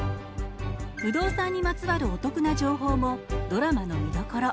不動産にまつわるお得な情報もドラマの見どころ。